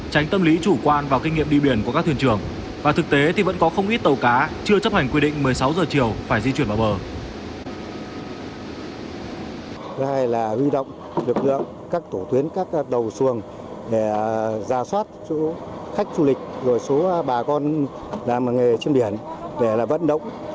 tránh tâm lý chủ quan vào kinh nghiệm đi biển của các thuyền trường và thực tế thì vẫn có không ít tàu cá chưa chấp hành quy định một mươi sáu h chiều phải di chuyển vào bờ